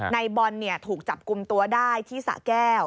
ในบอลถูกจับกลุ่มตัวได้ที่สะแก้ว